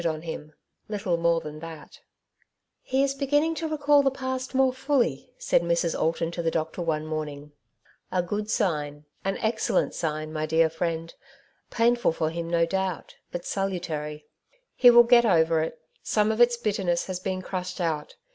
d on him — little more than that. 222 ''' Two Sides to every Question^ " He is beginning to recall the past more fully/' said Mrs. Alton to the doctor one morning. ''A good sign — an excellent sign, my dear friend ; painful forhim^ no doubt^ bat salntarj. He will get over it; some of its bitterness has been crashed out.